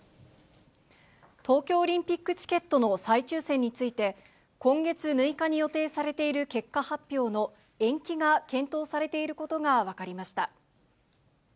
東京オリンピックチケットの再抽せんについて、今月６日に予定されている結果発表の延期が検討されていることが分かりました。